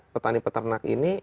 petani peternak ini